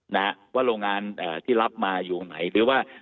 นะฮะว่าโรงงานเอ่อที่รับมาอยู่ตรงไหนหรือว่า